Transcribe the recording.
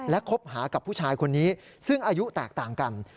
และคบหากับผู้ชายคนนี้ซึ่งอายุแตกต่างกัน